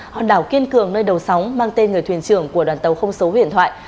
hòn đảo kiên cường nơi đầu sóng mang tên người thuyền trưởng của đoàn tàu không số huyền thoại